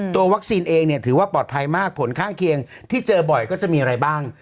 วัคซีนเองเนี่ยถือว่าปลอดภัยมากผลข้างเคียงที่เจอบ่อยก็จะมีอะไรบ้าง